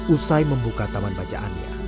usai membuka taman bacaannya